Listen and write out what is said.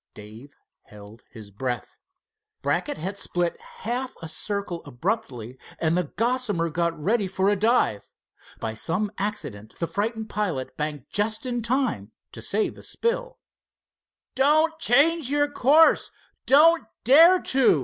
Dave held his breath. Brackett had split half a circle abruptly, and the Gossamer got ready for a dive. By some accident the frightened pilot banked just in time to save a spill. "Don't change your course—don't dare to!"